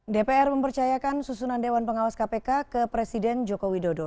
dpr mempercayakan susunan dewan pengawas kpk ke presiden joko widodo